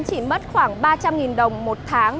chỉ mất khoảng ba trăm linh đồng một tháng